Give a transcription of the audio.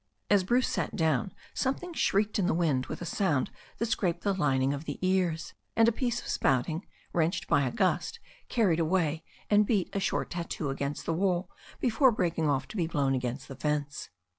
As Bruce sat down something shrieked in the wind with a sound that scraped the lining of the ears, and a piece of spouting, wrenched by a gust, carried away and beat a short tatoo against the wall, before breaking off to be blown against the fence.